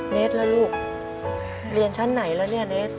เนสแล้วลูกเรียนชั้นไหนแล้วเนี่ยเนส